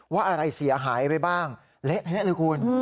ว่าอะไรเสียหายไปบ้างเละเทะเลยคุณ